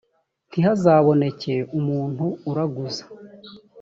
ntihazaboneke umuntu uraguza